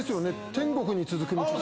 天国に続く道。